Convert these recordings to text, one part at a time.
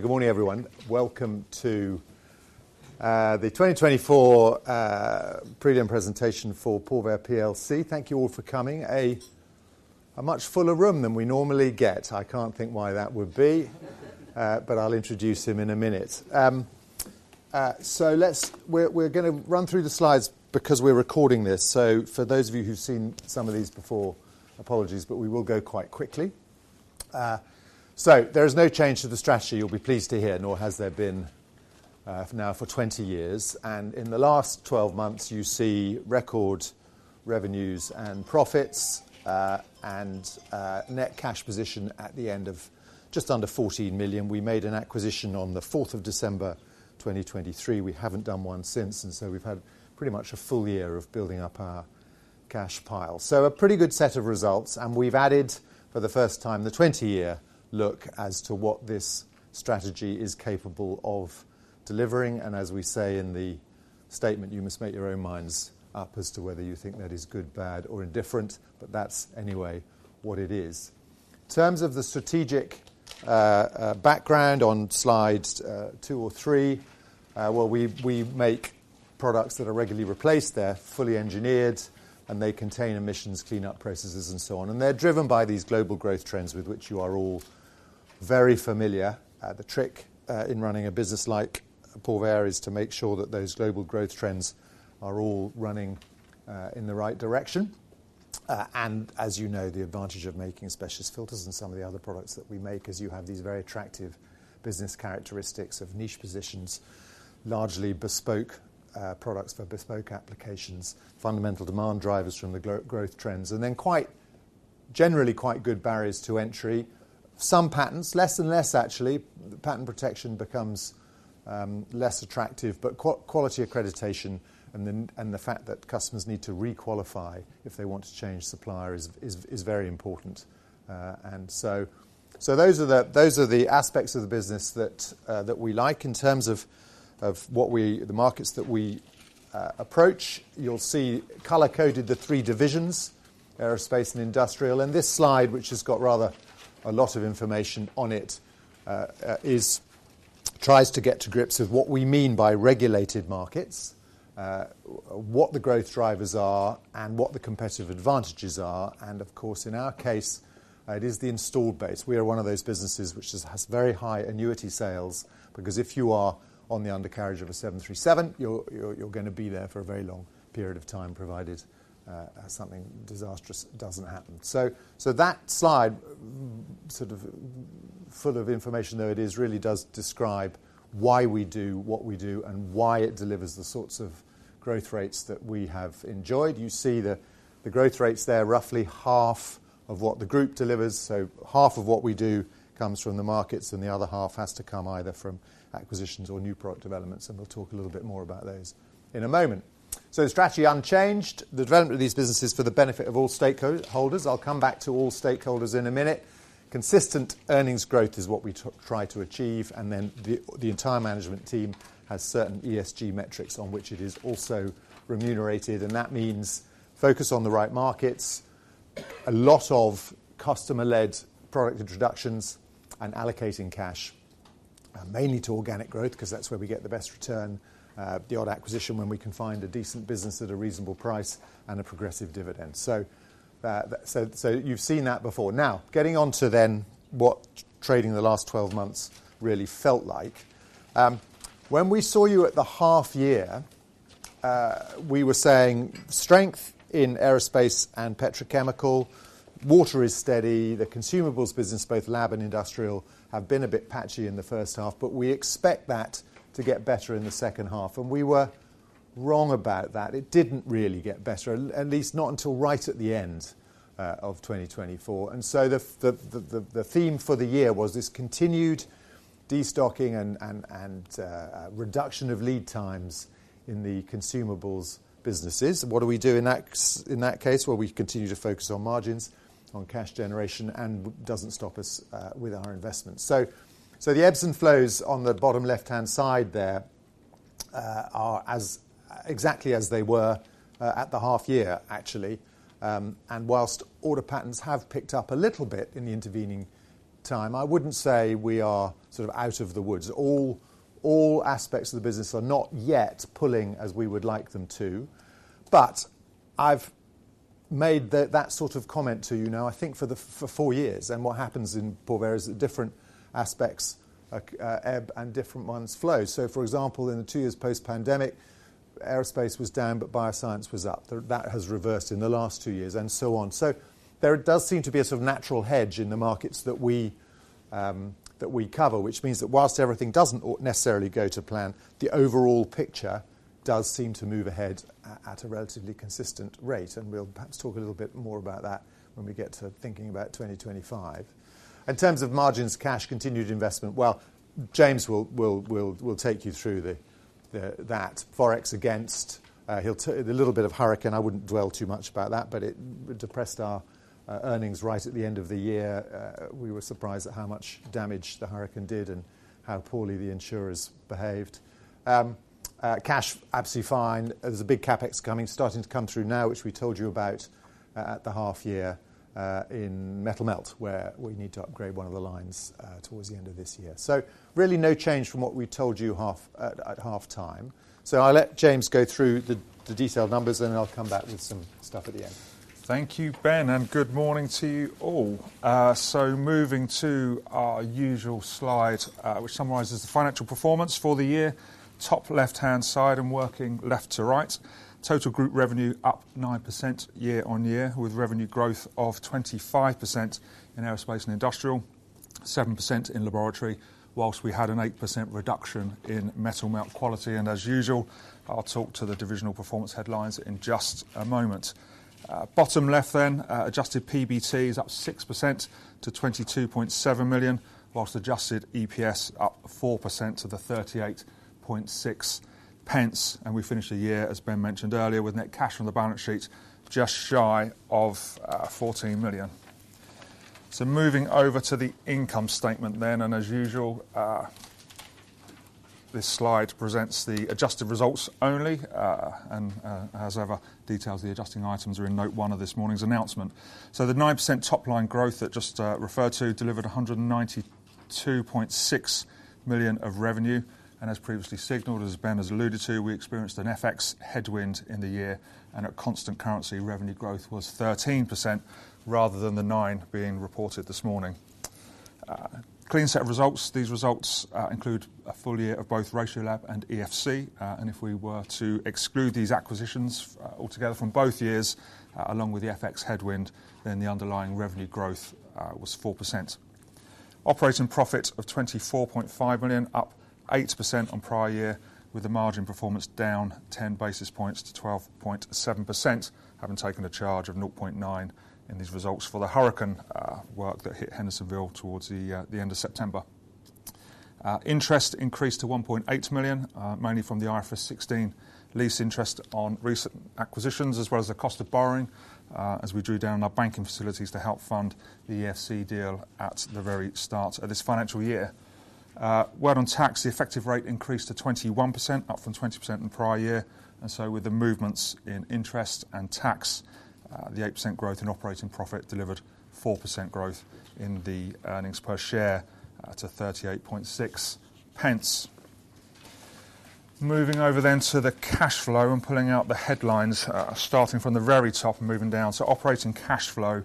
Good morning, everyone. Welcome to the 2024 Pre-Dem Presentation for Porvair plc. Thank you all for coming. A much fuller room than we normally get. I can't think why that would be, but I'll introduce him in a minute. So we're going to run through the slides because we're recording this. So for those of you who've seen some of these before, apologies, but we will go quite quickly. So there is no change to the strategy you'll be pleased to hear, nor has there been now for 20 years. And in the last 12 months, you see record revenues and profits and net cash position at the end of just under 14 million. We made an acquisition on the 4th of December, 2023. We haven't done one since, and so we've had pretty much a full year of building up our cash pile. A pretty good set of results. We've added, for the first time, the 20-year look as to what this strategy is capable of delivering. As we say in the statement, you must make your own minds up as to whether you think that is good, bad, or indifferent. That's anyway what it is. In terms of the strategic background on slides two or three, well, we make products that are regularly replaced. They're fully engineered, and they contain emissions, cleanup processes, and so on. They're driven by these global growth trends with which you are all very familiar. The trick in running a business like Porvair is to make sure that those global growth trends are all running in the right direction. As you know, the advantage of making specialist filters and some of the other products that we make is you have these very attractive business characteristics of niche positions, largely bespoke products for bespoke applications, fundamental demand drivers from the growth trends, and then generally quite good barriers to entry. Some patents, less and less, actually. Patent protection becomes less attractive. But quality accreditation and the fact that customers need to requalify if they want to change supplier is very important. And so those are the aspects of the business that we like in terms of the markets that we approach. You'll see color-coded the three divisions: Aerospace and Industrial. And this slide, which has got rather a lot of information on it, tries to get to grips with what we mean by regulated markets, what the growth drivers are, and what the competitive advantages are. And of course, in our case, it is the installed base. We are one of those businesses which has very high annuity sales because if you are on the undercarriage of a 737, you're going to be there for a very long period of time, provided something disastrous doesn't happen. So that slide, sort of full of information though it is, really does describe why we do what we do and why it delivers the sorts of growth rates that we have enjoyed. You see the growth rates there, roughly 1/2 of what the group delivers. So 1/2 of what we do comes from the markets, and the other 1/2 has to come either from acquisitions or new product developments. And we'll talk a little bit more about those in a moment. So the strategy unchanged. The development of these businesses for the benefit of all stakeholders. I'll come back to all stakeholders in a minute. Consistent earnings growth is what we try to achieve. And then the entire management team has certain ESG metrics on which it is also remunerated. And that means focus on the right markets, a lot of customer-led product introductions, and allocating cash mainly to organic growth because that's where we get the best return, the odd acquisition when we can find a decent business at a reasonable price and a progressive dividend. So you've seen that before. Now, getting on to then what trading the last 12 months really felt like. When we saw you at the 1/2 year, we were saying strength in aerospace and petrochemical. Water is steady. The consumables business, both lab and industrial, have been a bit patchy in the first 1/2, but we expect that to get better in the second 1/2. We were wrong about that. It didn't really get better, at least not until right at the end of 2024. So the theme for the year was this continued destocking and reduction of lead times in the consumables businesses. What do we do in that case? Well, we continue to focus on margins, on cash generation, and it doesn't stop us with our investments. The ebbs and flows on the bottom left-hand side there are exactly as they were at the 1/2 year, actually. And while order patterns have picked up a little bit in the intervening time, I wouldn't say we are sort of out of the woods. All aspects of the business are not yet pulling as we would like them to. But I've made that sort of comment to you now, I think, for four years. What happens in Porvair is that different aspects ebb and different ones flow. For example, in the two years post-pandemic, aerospace was down, but bioscience was up. That has reversed in the last two years, and so on. There does seem to be a sort of natural hedge in the markets that we cover, which means that while everything doesn't necessarily go to plan, the overall picture does seem to move ahead at a relatively consistent rate. We'll perhaps talk a little bit more about that when we get to thinking about 2025. In terms of margins, cash, continued investment, well, James will take you through that. Forex against, he'll take a little bit of hurricane. I wouldn't dwell too much about that, but it depressed our earnings right at the end of the year. We were surprised at how much damage the hurricane did and how poorly the insurers behaved. Cash, absolutely fine. There's a big CapEx coming, starting to come through now, which we told you about at the 1/2 year in Metal Melt, where we need to upgrade one of the lines towards the end of this year. So really no change from what we told you at 1/2 time. So I'll let James go through the detailed numbers, and then I'll come back with some stuff at the end. Thank you, Ben, and good morning to you all. So moving to our usual slide, which summarizes the financial performance for the year, top left-hand side and working left to right. Total group revenue up 9% year on year, with revenue growth of 25% in Aerospace and Industrial, 7% in Laboratory, while we had an 8% reduction in Metal Melt Quality. And as usual, I'll talk to the divisional performance headlines in just a moment. Bottom left then, adjusted PBT is up 6% to 22.7 million, while adjusted EPS up 4% to the 0.386. And we finished the year, as Ben mentioned earlier, with net cash on the balance sheet just shy of 14 million. So moving over to the income statement then. And as usual, this slide presents the adjusted results only, and as ever, details of the adjusting items are in note one of this morning's announcement. So the 9% top-line growth that just referred to delivered 192.6 million of revenue. And as previously signaled, as Ben has alluded to, we experienced an FX headwind in the year, and our constant currency revenue growth was 13%, rather than the 9% being reported this morning. Clean set of results. These results include a full year of both Ratiolab and EFC. And if we were to exclude these acquisitions altogether from both years, along with the FX headwind, then the underlying revenue growth was 4%. Operating profit of 24.5 million, up 8% on prior year, with the margin performance down 10 basis points to 12.7%, having taken a charge of 0.9 million in these results for the Hurricane work that hit Hendersonville towards the end of September. Interest increased to 1.8 million, mainly from the IFRS 16 lease interest on recent acquisitions, as well as the cost of borrowing as we drew down our banking facilities to help fund the EFC deal at the very start of this financial year. A word on tax, the effective rate increased to 21%, up from 20% in prior year, and so with the movements in interest and tax, the 8% growth in operating profit delivered 4% growth in the earnings per share to 0.386. Moving over then to the cash flow and pulling out the headlines, starting from the very top and moving down to operating cash flow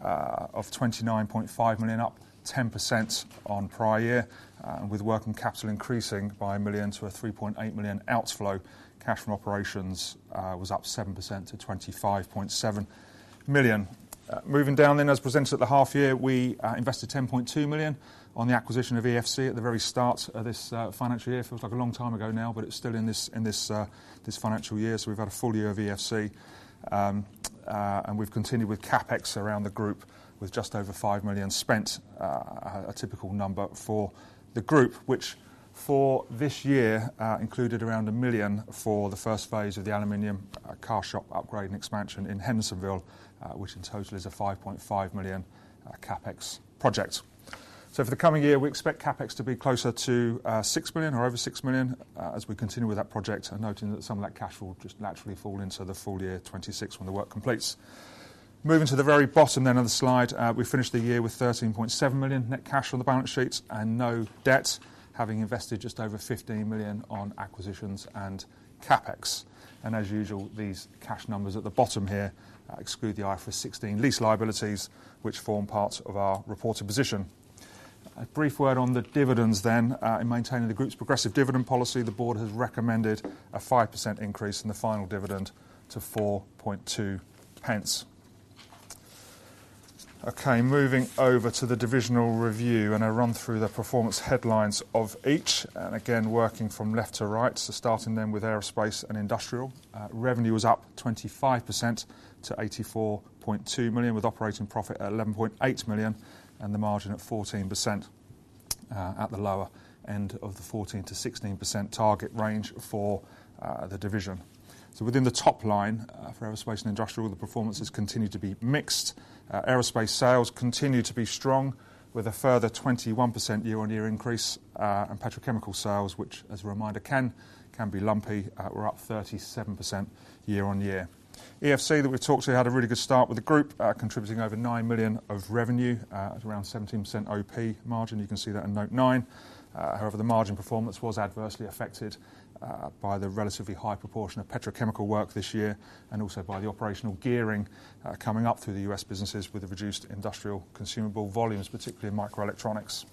of 29.5 million, up 10% on prior year, with working capital increasing by one million to a 3.8 million outflow. Cash from operations was up 7% to 25.7 million. Moving down then, as presented at the 1/2 year, we invested 10.2 million on the acquisition of EFC at the very start of this financial year. Feels like a long time ago now, but it's still in this financial year. So we've had a full year of EFC, and we've continued with CapEx around the group with just over five million spent, a typical number for the group, which for this year included around one million for the first phase of the aluminum cast shop upgrade and expansion in Hendersonville, which in total is a 5.5 million CapEx project. So for the coming year, we expect CapEx to be closer to six million or over six million as we continue with that project, noting that some of that cash will just naturally fall into the full year 2026 when the work completes. Moving to the very bottom then of the slide, we finished the year with 13.7 million net cash on the balance sheet and no debt, having invested just over 15 million on acquisitions and CapEx, and as usual, these cash numbers at the bottom here exclude the IFRS 16 lease liabilities, which form part of our reported position. A brief word on the dividends then. In maintaining the group's progressive dividend policy, the board has recommended a 5% increase in the final dividend to 0.42. Okay, moving over to the divisional review and a run through the performance headlines of each, and again, working from left to right, so starting then with Aerospace and Industrial, revenue was up 25% to 84.2 million, with operating profit at 11.8 million and the margin at 14% at the lower end of the 14%-16% target range for the division. Within the top line for Aerospace and Industrial, the performance has continued to be mixed. Aerospace sales continue to be strong with a further 21% year-on-year increase. Petrochemical sales, which, as a reminder, can be lumpy, were up 37% year-on-year. EFC that we've talked to had a really good start with the group, contributing over nine million of revenue at around 17% OP margin. You can see that in note nine. However, the margin performance was adversely affected by the relatively high proportion of petrochemical work this year and also by the operational gearing coming up through the U.S. businesses with the reduced industrial consumable volumes, particularly in microelectronics.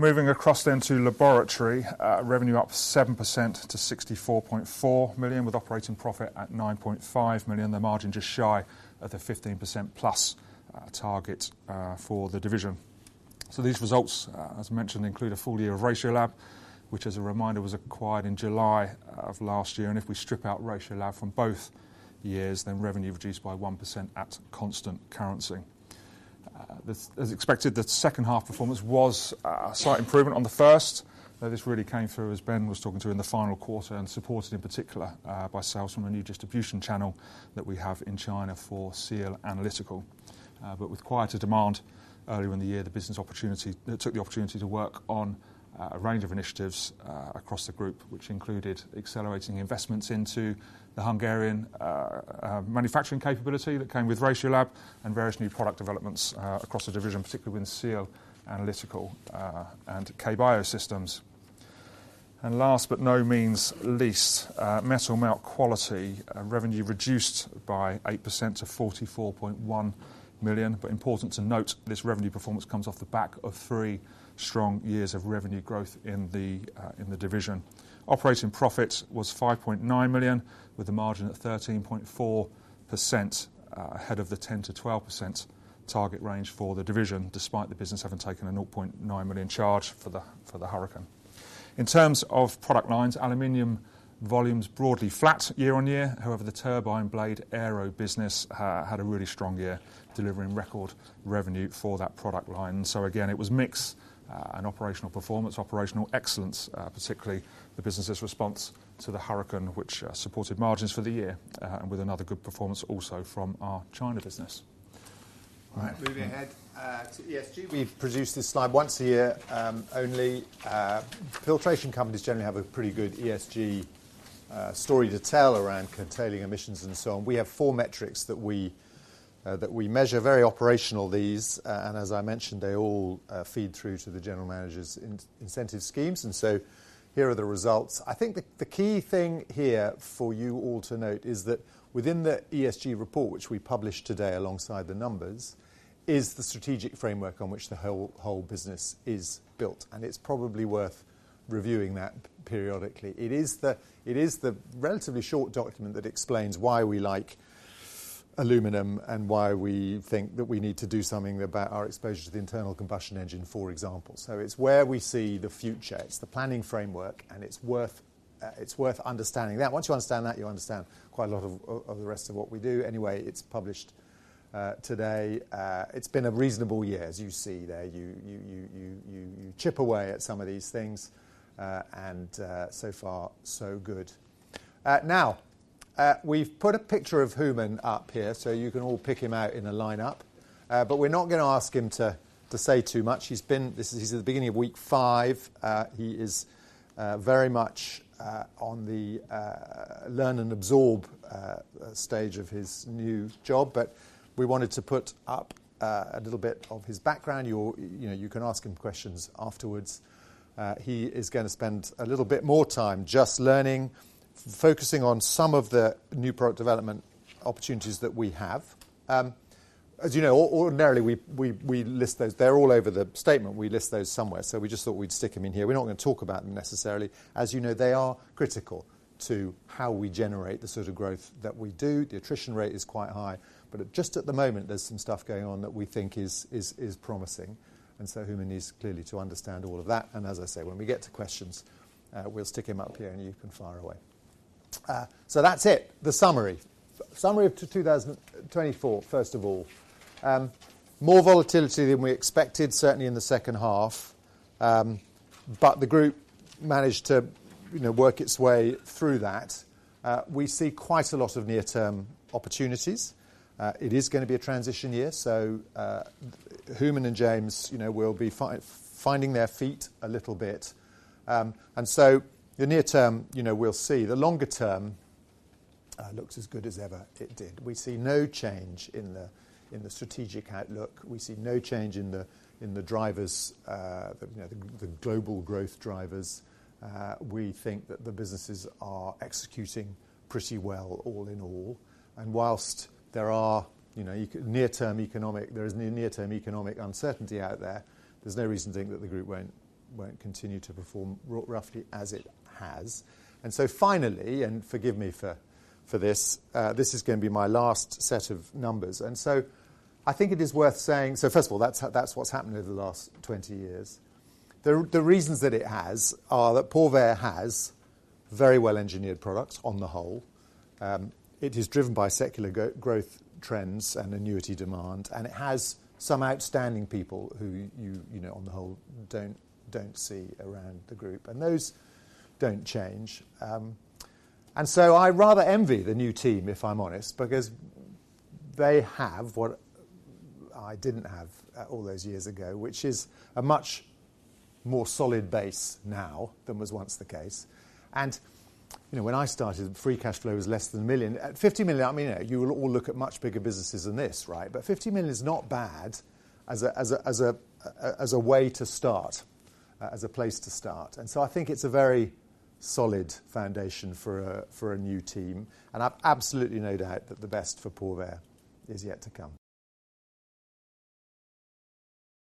Moving across to Laboratory, revenue up 7% to 64.4 million, with operating profit at 9.5 million. The margin just shy of the 15% plus target for the division. So these results, as mentioned, include a full year of Ratiolab, which, as a reminder, was acquired in July of last year. And if we strip out Ratiolab from both years, then revenue reduced by 1% at constant currency. As expected, the second 1/2 performance was a slight improvement on the first, though this really came through, as Ben was talking to in the final quarter, and supported in particular by sales from a new distribution channel that we have in China for SEAL Analytical. But with quieter demand earlier in the year, the business took the opportunity to work on a range of initiatives across the group, which included accelerating investments into the Hungarian manufacturing capability that came with Ratiolab and various new product developments across the division, particularly within SEAL Analytical and KBiosystems. Last but not least, Metal Melt Quality revenue reduced by 8% to 44.1 million. Important to note, this revenue performance comes off the back of three strong years of revenue growth in the division. Operating profit was 5.9 million, with a margin at 13.4% ahead of the 10%-12% target range for the division, despite the business having taken a 0.9 million charge for the hurricane. In terms of product lines, aluminum volumes broadly flat year-on-year. However, the turbine blade aero business had a really strong year, delivering record revenue for that product line. Again, it was mixed and operational performance, operational excellence, particularly the business's response to the hurricane, which supported margins for the year, and with another good performance also from our China business. Moving ahead to ESG, we've produced this slide once a year only. Filtration companies generally have a pretty good ESG story to tell around containing emissions and so on. We have four metrics that we measure, very operational these. And as I mentioned, they all feed through to the general manager's incentive schemes. And so here are the results. I think the key thing here for you all to note is that within the ESG report, which we published today alongside the numbers, is the strategic framework on which the whole business is built. And it's probably worth reviewing that periodically. It is the relatively short document that explains why we like aluminum and why we think that we need to do something about our exposure to the internal combustion engine, for example. So it's where we see the future. It's the planning framework, and it's worth understanding that. Once you understand that, you understand quite a lot of the rest of what we do. Anyway, it's published today. It's been a reasonable year, as you see there. You chip away at some of these things, and so far, so good. Now, we've put a picture of Hooman up here, so you can all pick him out in a lineup. But we're not going to ask him to say too much. He's at the beginning of week five. He is very much on the learn and absorb stage of his new job. But we wanted to put up a little bit of his background. You can ask him questions afterwards. He is going to spend a little bit more time just learning, focusing on some of the new product development opportunities that we have. As you know, ordinarily, we list those. They're all over the statement. We list those somewhere. So we just thought we'd stick them in here. We're not going to talk about them necessarily. As you know, they are critical to how we generate the sort of growth that we do. The attrition rate is quite high. But just at the moment, there's some stuff going on that we think is promising. And so Hooman needs clearly to understand all of that. And as I say, when we get to questions, we'll stick him up here, and you can fire away. So that's it, the summary. Summary of 2024, first of all. More volatility than we expected, certainly in the second 1/2. But the group managed to work its way through that. We see quite a lot of near-term opportunities. It is going to be a transition year. So Hooman and James will be finding their feet a little bit. And so the near-term, we'll see. The longer term looks as good as ever it did. We see no change in the strategic outlook. We see no change in the drivers, the global growth drivers. We think that the businesses are executing pretty well all in all. And whilst there are near-term economic uncertainty out there, there's no reason to think that the group won't continue to perform roughly as it has. And so finally, and forgive me for this, this is going to be my last set of numbers. And so I think it is worth saying, so first of all, that's what's happened over the last 20 years. The reasons that it has are that Porvair has very well-engineered products on the whole. It is driven by secular growth trends and annuity demand. It has some outstanding people who, on the whole, you don't see around the group. Those don't change. I rather envy the new team, if I'm honest, because they have what I didn't have all those years ago, which is a much more solid base now than was once the case. When I started, free cash flow was less than one million. At 50 million, I mean, you will all look at much bigger businesses than this, right? But 50 million is not bad as a way to start, as a place to start. I think it's a very solid foundation for a new team. I've absolutely no doubt that the best for Porvair is yet to come.